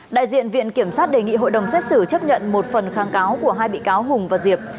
đại diện viện kiểm sát đề nghị hội đồng xét xử chấp nhận một phần kháng cáo của hai bị cáo hùng và diệp